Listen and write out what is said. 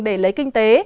để lấy kinh tế